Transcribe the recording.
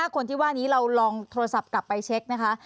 คนที่ว่านี้เราลองโทรศัพท์กลับไปเช็คนะคะ